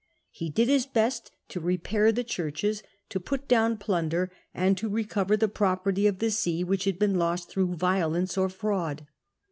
He did his best to repair the churches, to put down plunder, and to recover the pro perty of the see which had been lost through violence or fraud.